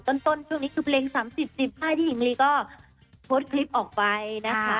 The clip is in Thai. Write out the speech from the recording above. ต้นต้นช่วงนี้คือเพลงสามสิบสิบที่หญิงลีก็โพสต์คลิปออกไปนะคะ